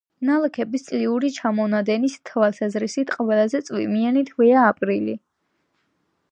ნალექების წლიური ჩამონადენის თვალსაზრისით, ყველაზე წვიმიანი თვეა აპრილი.